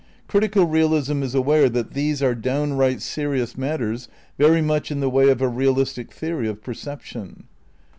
Critical Realism is aware that these are downright serious matters very much in the way of a realistic theory of perception.